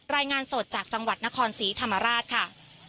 รายงานสดจากจังหวัดนครศรีธรรมราชค่ะ